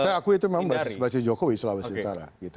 saya akui itu memang berbasis jokowi sulawesi utara